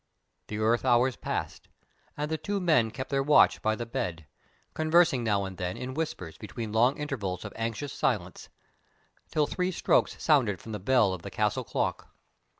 The earth hours passed, and the two men kept their watch by the bed, conversing now and then in whispers between long intervals of anxious silence, until three strokes sounded from the bell of the Castle clock.